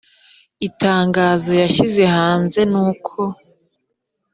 itangazo yashyize hanze nuko